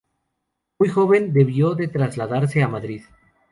Muy joven debió de trasladarse a Madrid.